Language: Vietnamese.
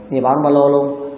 vì bỏ trong ba lô luôn